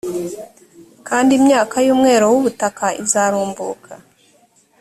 kandi imyaka y umwero w ubutaka izarumbuka